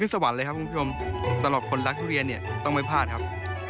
สำหรับคนรักทุเรียซต้องไม่พลาดครับ